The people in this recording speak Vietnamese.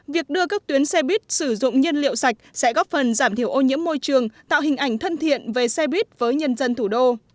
việc đưa các tuyến xe buýt sử dụng nhiên liệu sạch sẽ góp phần giảm thiểu ô nhiễm môi trường tạo hình ảnh thân thiện về xe buýt với nhân dân thủ đô